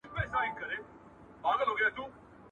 د بل په اوږو مياشت گوري.